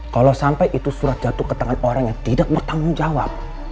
kalau sampai itu surat jatuh ke tangan orang yang tidak bertanggung jawab